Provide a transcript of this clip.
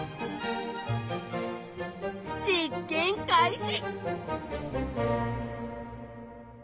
実験開始！